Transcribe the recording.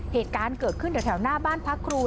เหตุการณ์เกิดขึ้นแถวหน้าบ้านพักครู